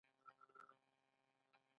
ایران د انرژۍ یو ستر قدرت دی.